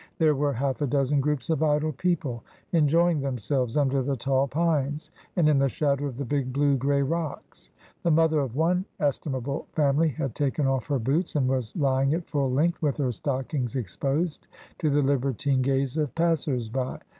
There were half a dozen groups of idle people enjoying themselves under the tall pines and in the shadow of the big blue gray rocks. The mother of one estimable family had taken off her boots, and was lying at full length, with her stockings exposed to the libertine gaze of passers by.